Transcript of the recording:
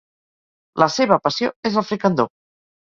La seva passió és el fricandó.